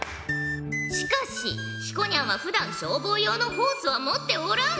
しかしひこにゃんはふだん消防用のホースは持っておらん！